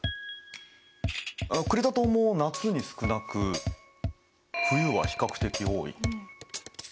クレタ島も夏に少なく冬は比較的多い。